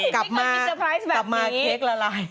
กลับมาเค้กละลาย